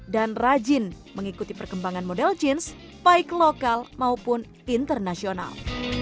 dan rajin mengikuti perkembangan model jeans baik lokal maupun internasional